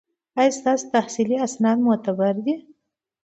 ایا ستاسو تحصیلي اسناد معتبر دي؟